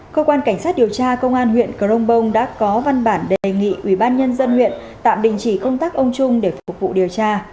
cơ quan cảnh sát điều tra công an huyện crong bông đã có văn bản đề nghị ubnd huyện tạm đình chỉ công tác ông trung để phục vụ điều tra